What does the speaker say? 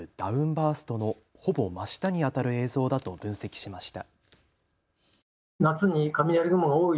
バーストのほぼ真下にあたる映像だと分析しました。